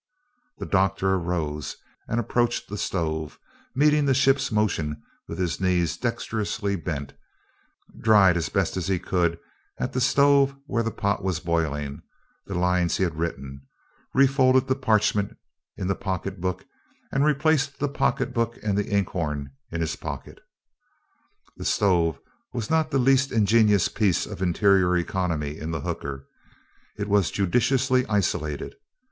The doctor arose and approached the stove, meeting the ship's motion with his knees dexterously bent, dried as best he could, at the stove where the pot was boiling, the lines he had written, refolded the parchment in the pocket book, and replaced the pocket book and the inkhorn in his pocket. The stove was not the least ingenious piece of interior economy in the hooker. It was judiciously isolated.